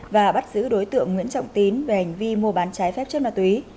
và bắt giữ đối tượng nguyễn trọng tín về hành vi mua bán trái phép chất ma túy